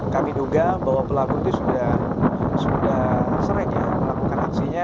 kami duga bahwa pelaku itu sudah sering melakukan aksinya